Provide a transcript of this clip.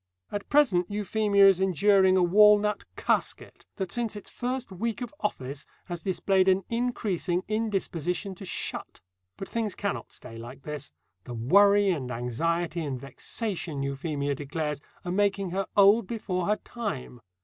At present Euphemia is enduring a walnut "casket," that since its first week of office has displayed an increasing indisposition to shut. But things cannot stay like this. The worry and anxiety and vexation, Euphemia declares, are making her old before her time.